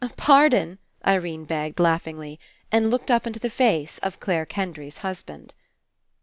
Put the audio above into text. "Pardon," Irene begged laughingly, and looked up Into the face of Clare Kendry's husband.